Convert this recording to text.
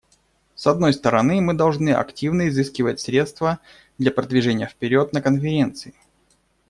С одной стороны, мы должны активно изыскивать средства для продвижения вперед на Конференции.